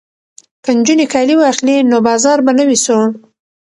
که نجونې کالي واخلي نو بازار به نه وي سوړ.